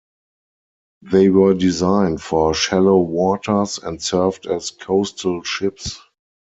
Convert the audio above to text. They were designed for shallow waters and served as coastal ships.